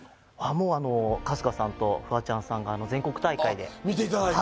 もうあの春日さんとフワちゃんさんが全国大会で見ていただいて？